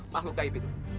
makhluk gaib itu